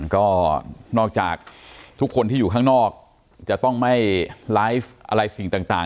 ก็นอกจากทุกคนที่อยู่ข้างนอกจะต้องไม่ไลฟ์อะไรสิ่งต่าง